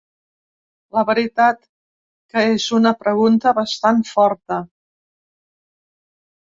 La veritat que és una pregunta bastant forta.